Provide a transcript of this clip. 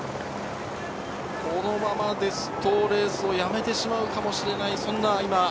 このままですとレースをやめてしまうかもしれない。